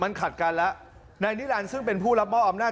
มันขัดกันแล้วนายนิรันดิ์ซึ่งเป็นผู้รับมอบอำนาจ